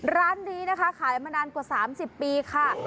ร้านนี้นะคะขายมานานกว่า๓๐ปีค่ะ